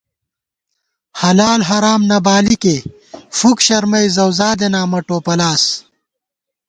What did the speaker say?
حلال حرام نہ بالِکے فُک شَرمَئ زوزادېناں مہ ٹوپَلاس